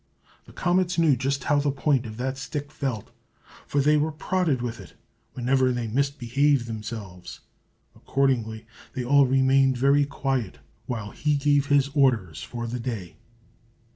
The comets knew just how the point of that stick felt, for they were prodded with it whenever they misbehaved themselves; accordingly, they all remained very quiet, while he gave his orders for the day.